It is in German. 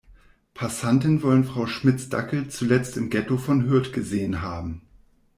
Passanten wollen Frau Schmitz' Dackel zuletzt im Ghetto von Hürth gesehen haben.